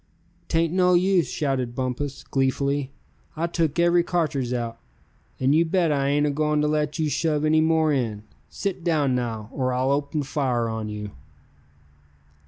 "'Tain't no use!" shouted Bumpus, gleefully. "I took every cartridge out, and you bet I ain't agoin' to let you shove any more in. Sit down now, or I'll open fire on you!"